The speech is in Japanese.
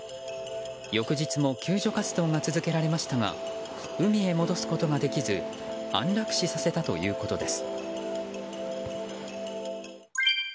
翌日も救助活動が続けられましたが海へ戻すことができず安楽死させたということです。